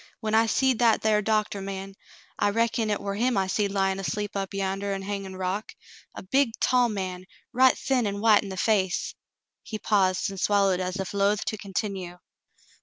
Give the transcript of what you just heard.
When I seed that thar doc t ah man — I reckon hit war him I seed lyin' asleep up yander on Hangin' Rock — a big tall man, right thin an' white in the face —" he paused and swallowed as if loath to continue.